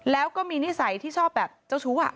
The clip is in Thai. แล้วก็มีนิสัยที่ชอบแบบเจ้าชู้